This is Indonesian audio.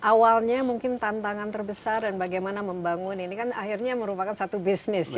awalnya mungkin tantangan terbesar dan bagaimana membangun ini kan akhirnya merupakan satu bisnis ya